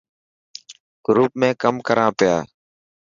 گروپ ۾ ڪم ڪران پيا.